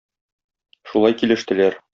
Шулай килештеләр.